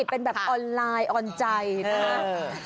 เป็นแบบออนไลน์ออนใจนะครับ